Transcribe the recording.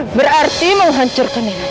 berarti menghancurkan nena juga